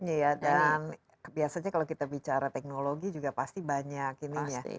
iya dan biasanya kalau kita bicara teknologi juga pasti banyak ini ya